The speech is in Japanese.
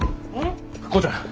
浩ちゃん。